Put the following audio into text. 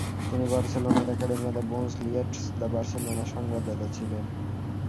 তিনি বার্সেলোনার অ্যাকাডেমিয়া দ্য বোনস লিয়েট্রস দ্য বার্সেলোনার সংবাদদাতা ছিলেন।